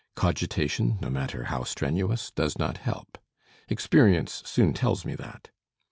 Cogitation, no matter how strenuous, does not help. Experience soon tells me that.